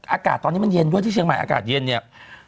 อากาศตอนนี้มันเย็นด้วยที่เชียงใหม่อากาศเย็นเนี่ย